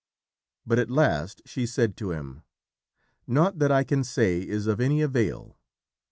But at last she said to him, "Naught that I can say is of any avail.